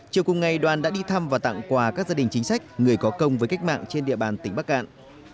chiều cùng ngày đoàn đã đi thăm và tặng quà các gia đình chính sách người có công với cách mạng trên địa bàn tỉnh bắc cạn